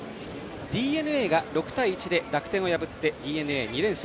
ＤｅＮＡが６対１で楽天を破ってＤｅＮＡ２連勝